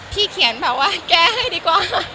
เขียนแบบว่าแก้ให้ดีกว่า